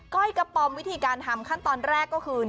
้อยกระป๋อมวิธีการทำขั้นตอนแรกก็คือ